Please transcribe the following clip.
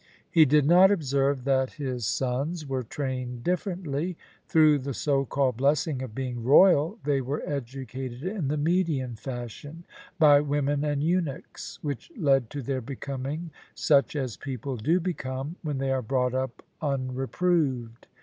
He did not observe that his sons were trained differently; through the so called blessing of being royal they were educated in the Median fashion by women and eunuchs, which led to their becoming such as people do become when they are brought up unreproved.